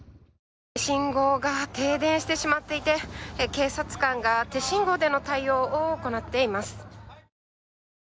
信号が停電してしまっていて、警察官が手信号での対応を行っています。